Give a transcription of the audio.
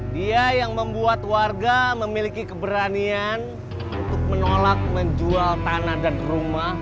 dia yang membuat warga memiliki keberanian untuk menolak menjual tanah dan rumah